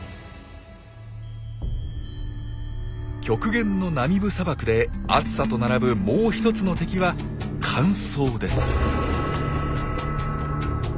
極限のナミブ砂漠で暑さと並ぶもう一つの敵は乾燥です。